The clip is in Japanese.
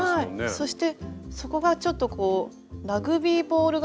そして底がちょっとラグビーボール形？